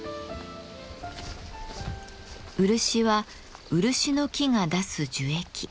漆は漆の木が出す樹液。